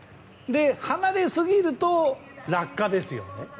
離れすぎると落下ですよね。